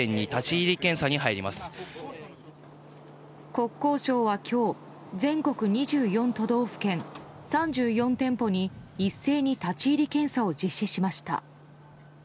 国交省は今日全国２４都道府県３４店舗に一斉に立ち入り検査を実施しました。